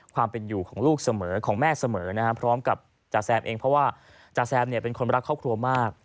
ความเป็นอยู่ของลูกเสมอของแม่เสมอนะครับพร้อมกับจาแซมเองเพราะว่าจาแซมเป็นคนรักครอบครัวมาก